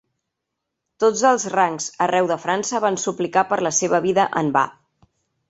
Tots els rangs arreu de França van suplicar per la seva vida en va.